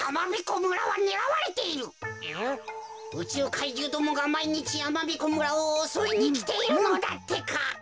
うちゅう怪獣どもがまいにちやまびこ村をおそいにきているのだってか。